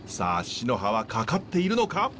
シノハはかかっているのか。